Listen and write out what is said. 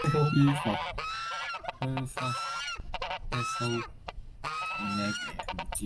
It was her first national league.